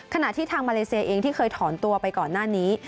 ขณะที่ทางมาเลเซียเองที่เคยถอนตัวไปก่อนหน้านี้